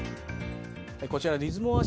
こちらリズモア